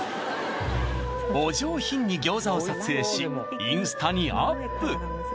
お上品に餃子を撮影しインスタにアップ！